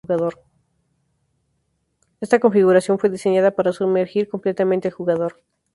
Esta configuración fue diseñada para sumergir completamente al jugador.